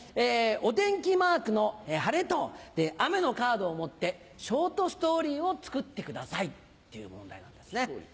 お天気マークの晴れと雨のカードを持ってショートストーリーを作ってくださいっていう問題なんですね。